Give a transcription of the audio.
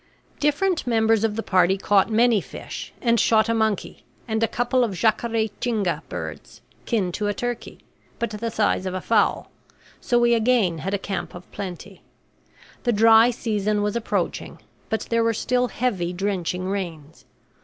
Different members of the party caught many fish, and shot a monkey and a couple of jacare tinga birds kin to a turkey, but the size of a fowl so we again had a camp of plenty. The dry season was approaching, but there were still heavy, drenching rains.